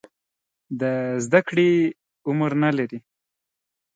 د زده کړې عمر نه لري.